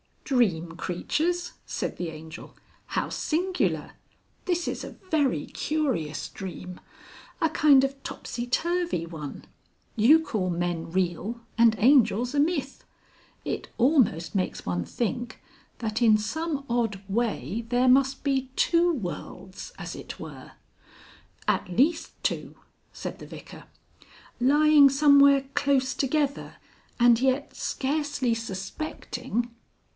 "Dream Creatures!" said the Angel. "How singular! This is a very curious dream. A kind of topsy turvey one. You call men real and angels a myth. It almost makes one think that in some odd way there must be two worlds as it were...." "At least Two," said the Vicar. "Lying somewhere close together, and yet scarcely suspecting...."